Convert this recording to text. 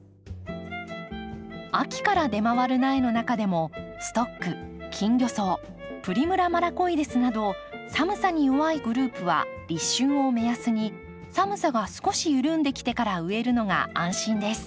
秋から出回る苗の中でもストックキンギョソウプリムラ・マラコイデスなど寒さに弱いグループは立春を目安に寒さが少し緩んできてから植えるのが安心です。